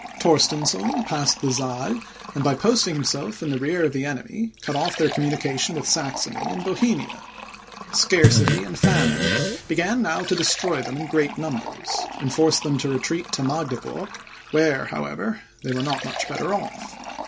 Torstensohn passed the Saal, and by posting himself in the rear of the enemy, cut off their communication with Saxony and Bohemia. Scarcity and famine began now to destroy them in great numbers, and forced them to retreat to Magdeburg, where, however, they were not much better off.